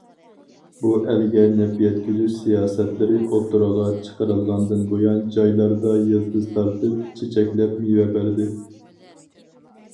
بۇ ئەلگە نەپ يەتكۈزۈش سىياسەتلىرى ئوتتۇرىغا چىقىرىلغاندىن بۇيان جايلاردا يىلتىز تارتىپ، چېچەكلەپ مېۋە بەردى.